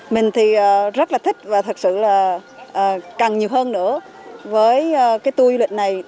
mình thì rất là thích và thật sự là cần nhiều hơn nữa với cái tour du lịch này